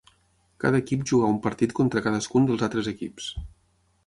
Cada equip jugà un partit contra cadascun dels altres equips.